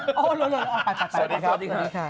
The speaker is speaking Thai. โอเคนะครับพรุ่งนี้เดี๋ยวมาคุยกันนะครับ